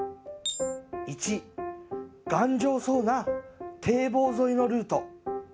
１・頑丈そうな堤防沿いのルート。